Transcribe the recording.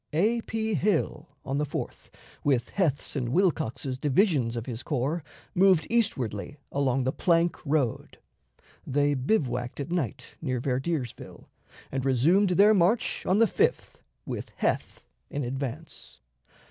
A. P. Hill, on the 4th, with Heth's and Wilcox's divisions of his corps, moved eastwardly along the plank road. They bivouacked at night near Verdiersville, and resumed their march on the 5th with Heth in advance.